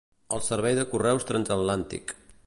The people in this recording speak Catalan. El servei de correus transatlàntic.